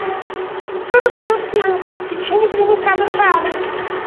Sono prodotti anche latticini per il mercato locale.